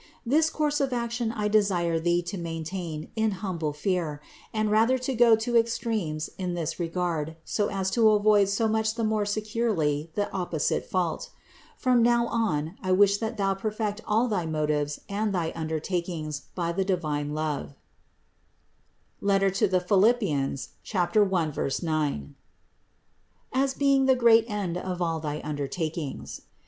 This course of action I desire thee to maintain in humble fear, and rather to go to extremes in this regard so as to avoid so much the more securely the opposite fault. From now on I wish that thou perfect all thy motives and thy undertakings by divine love (Phil. 1, 9), as being the great end of all thy undertakings.